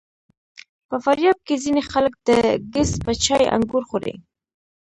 په فاریاب کې ځینې خلک د ګیځ په چای انګور خوري.